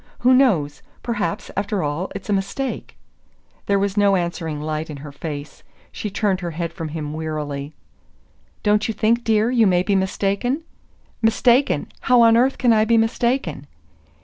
"Who knows? Perhaps, after all, it's a mistake." There was no answering light in her face. She turned her head from him wearily. "Don't you think, dear, you may be mistaken?" "Mistaken? How on earth can I be mistaken?"